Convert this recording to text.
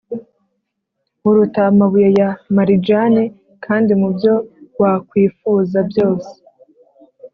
buruta amabuye ya marijani, kandi mu byo wakwifuza byose,